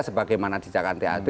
sebagai mana di jakarta tacb